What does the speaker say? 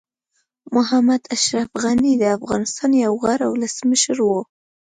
محمد اشرف غني د افغانستان یو غوره ولسمشر وو.